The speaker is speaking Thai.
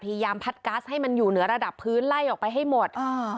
พยายามพัดกัสให้มันอยู่เหนือระดับพื้นไล่ออกไปให้หมดอ่า